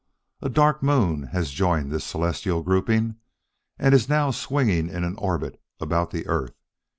A dark moon has joined this celestial grouping, and is now swinging in an orbit about the earth.